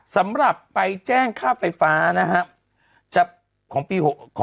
สำหรับใบแจ้งค่าไฟฟ้านะครับ